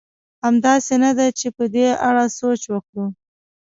همداسې نه ده؟ چې په دې اړه سوچ وکړو.